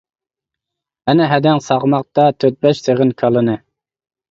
ئەنە ھەدەڭ ساغماقتا تۆت-بەش سېغىن كالىنى.